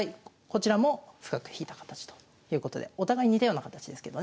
こちらも深く引いた形ということでお互い似たような形ですけどね。